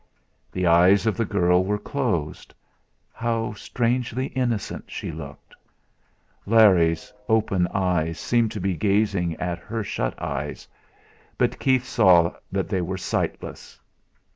The eyes of the girl were closed. How strangely innocent she looked! Larry's open eyes seemed to be gazing at her shut eyes; but Keith saw that they were sightless.